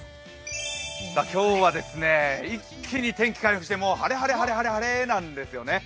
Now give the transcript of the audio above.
今日は一気に天気回復して晴れ、晴れ、晴れなんですよね。